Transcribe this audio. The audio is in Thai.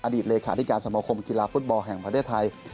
ตเลขาธิการสมคมกีฬาฟุตบอลแห่งประเทศไทย